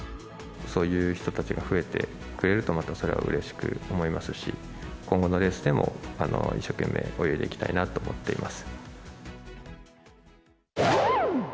そういう人たちが増えてくれると、またそれはうれしく思いますし、今後のレースでも、一生懸命泳いでいきたいなと思っています。